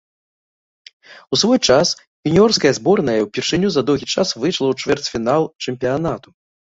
У свой час юніёрская зборная ўпершыню за доўгі час выйшла ў чвэрцьфінал чэмпіянату.